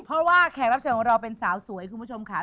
เพราะว่าแขกรับเชิญของเราเป็นสาวสวยคุณผู้ชมค่ะ